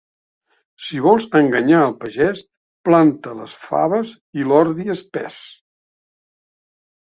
Si vols enganyar el pagès, planta les faves i l'ordi espès.